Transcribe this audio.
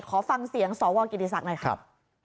ขอฟังเสียงสวกกิจกรรมหน้าครับ